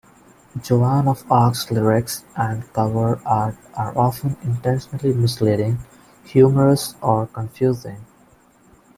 Joan of Arc's lyrics and cover art are often intentionally misleading, humorous, or confusing.